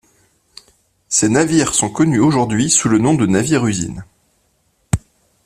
Ces navires sont connus aujourd'hui sous le nom de navires-usines.